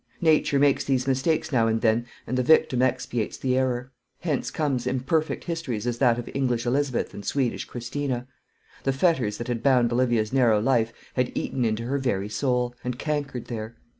Nature makes these mistakes now and then, and the victim expiates the error. Hence comes such imperfect histories as that of English Elizabeth and Swedish Christina. The fetters that had bound Olivia's narrow life had eaten into her very soul, and cankered there.